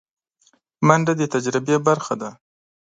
منډه د تجربې برخه ده